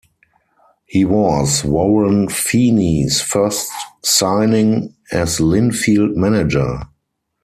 He was Warren Feeney's first signing as Linfield manager.